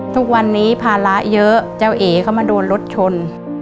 ทุกวันนี้ภาระเยอะเจ้าเอ๋เขามาโดนรถชน